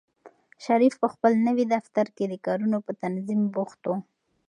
شریف په خپل نوي دفتر کې د کارونو په تنظیم بوخت و.